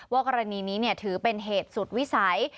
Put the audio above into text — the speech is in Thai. กรณีนี้ถือเป็นเหตุสุดวิสัย